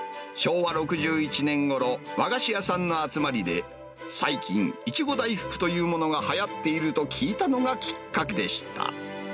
昭和６１年ごろ、和菓子屋さんの集まりで、最近、苺大福というものがはやっていると聞いたのがきっかけでした。